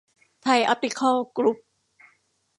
ไทยออพติคอล กรุ๊ป